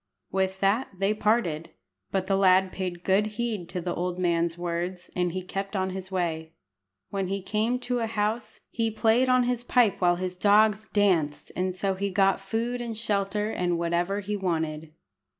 With that they parted; but the lad paid good heed to the old man's words, and kept on his way. When he came to a house, he played on his pipe while his dogs danced, and so he got food and shelter, and whatever he wanted.